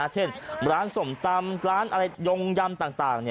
เช่นร้านส้มตำร้านอะไรยงยำต่าง